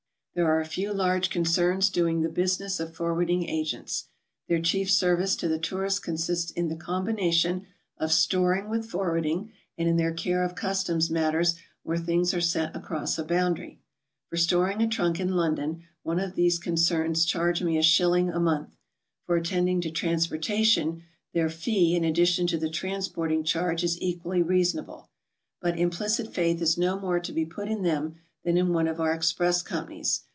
. There are a few large concerns doing the business of forwarding agents. Their chief service to the tourist consists in the combination of storing with forwarding, and in their care of customs matters where things are sent across a boun dary. For storing a trunk in London one of these concerns charged me a shilling a month. For attending to transporta tion their fee in addition <to the transporting charge is equally reasonable. But implicit faith is no more to be put in them than in one of our express companies.